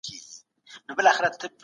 په بې زبانه حیوان رحم وکړئ.